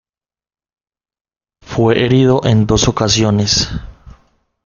Fue herido en dos ocasiones.